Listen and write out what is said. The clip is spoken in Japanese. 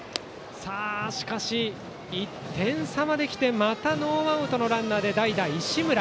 しかし、１点差まで来てまたノーアウトのランナーで代打、石村。